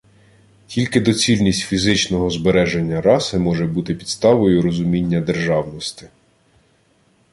Тільки доцільність фізичного збереження раси може бути підставою розуміння державності.